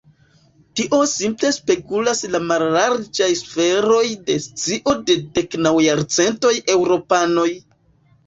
Tio simple spegulas la mallarĝan sferon de scio de deknaŭajarcentaj eŭropanoj.